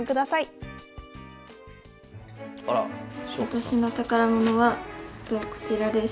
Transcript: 私の宝物はこちらです。